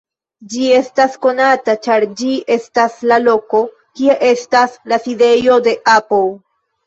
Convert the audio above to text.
Ĝi estas konata, ĉar ĝi estas la loko, kie estas la sidejo de Apple.